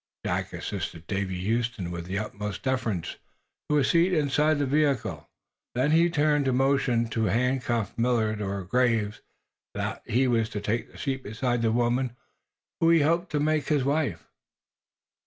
Jack assisted Daisy Huston, with the utmost deference, to a seat inside the vehicle. Then he turned to motion to handcuffed Millard or Graves that he was to take the seat beside the woman he had hoped to make his wife.